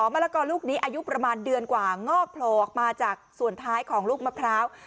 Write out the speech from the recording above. มะละกอลูกนี้อายุประมาณเดือนกว่างอกโผล่ออกมาจากส่วนท้ายของลูกมะพร้าว